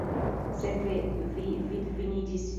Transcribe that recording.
Sekve vi vidviniĝis!